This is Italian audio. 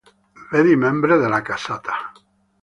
Vedi Membri della casata.